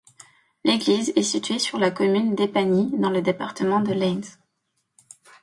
L'église est située sur la commune d'Épagny, dans le département de l'Aisne.